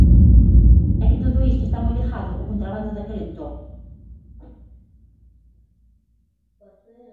É que todo isto está moi ligado ao contrabando daquel entón.